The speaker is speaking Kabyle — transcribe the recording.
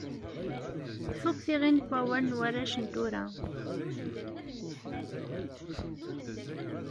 Tfukk tiɣin n wawal n warrac n tura.